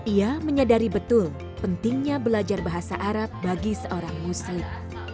ia menyadari betul pentingnya belajar bahasa arab bagi seorang muslim